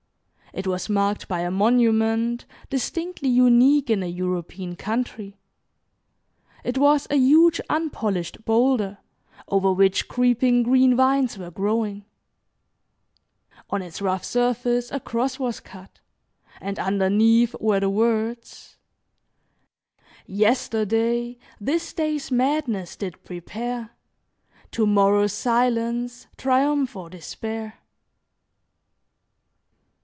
It was marked by a monument distinctly unique in a European country. It was a huge unpolished boulder, over which creeping green vines were growing. On its rough surface a cross was cut, and underneath were the words: "Yesterday This Day's Madness did prepare, To morrow's Silence, Triumph or Despair."